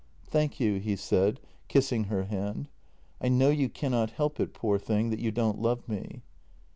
" Thank you," he said, kissing her hand. " I know you cannot help it, poor darling, that you don't love me."